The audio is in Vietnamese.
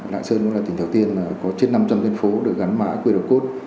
lạng sơn cũng là tỉnh triều tiên có trên năm trăm linh quy định phố được gắn mã quy luật cốt